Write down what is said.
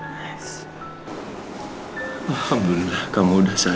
alhamdulillah kamu udah selesai